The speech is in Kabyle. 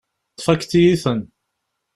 Tfakkeḍ-iyi-ten.